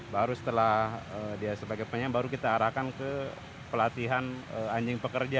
baru setelah dia sebagai penyayang baru kita arahkan ke pelatihan anjing pekerja